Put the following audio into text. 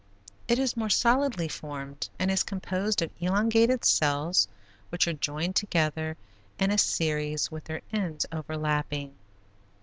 It is more solidly formed and is composed of elongated cells which are joined together in a series with their ends overlapping.